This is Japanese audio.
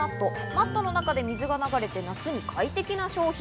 マットの中で水が流れて夏に快適な商品。